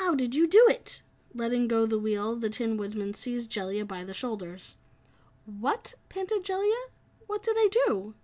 how did you do it?" Letting go the wheel, the Tin Woodman seized Jellia by the shoulders. "What?" panted Jellia. "What did I do?"